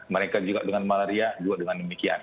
mereka juga dengan malaria juga dengan demikian